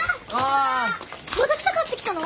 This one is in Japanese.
また草採ってきたの？